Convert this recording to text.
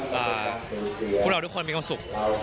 ทุกคนมีความสุข